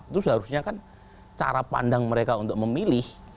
itu seharusnya kan cara pandang mereka untuk memilih